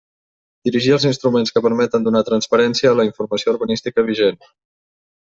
Dirigir els instruments que permeten donar transparència a la informació urbanística vigent.